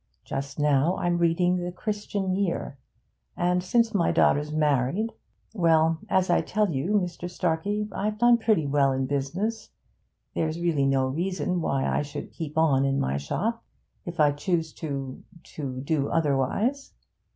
Just now I'm reading The Christian Year. And since my daughters married well, as I tell you, Mr. Starkey, I've done pretty well in business there's really no reason why I should keep on in my shop, if I chose to to do otherwise.'